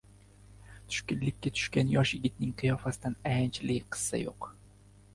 Tushkuplikka tushgan yosh yigitning qiyofasidan ayanchli qisfa yo‘q.